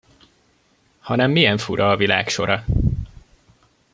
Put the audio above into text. Hanem milyen fura a világ sora!